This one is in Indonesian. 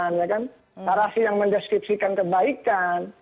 narasi yang menjelaskan kebaikan